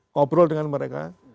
ngobrol dengan mereka